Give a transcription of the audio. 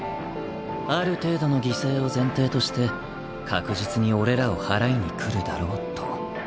ある程度の犠牲を前提として確実に俺らを祓いに来るだろうと。